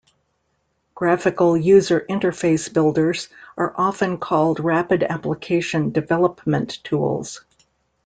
Graphical user interface builders are often called rapid application development tools.